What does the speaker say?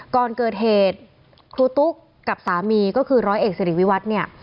ก่อนเกิดเหตุครูตุ๊กกับสามีก็คือร้อยเอกสิริวิวัตรเนี่ย